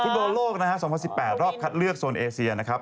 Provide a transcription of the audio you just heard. บอลโลกนะฮะ๒๐๑๘รอบคัดเลือกโซนเอเซียนะครับ